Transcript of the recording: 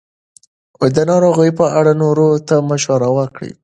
د ناروغیو په اړه نورو ته مشوره ورکوي.